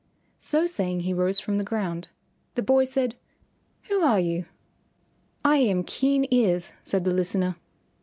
So saying he rose from the ground. The boy said, "Who are you?" "I am Keen Ears," said the listener.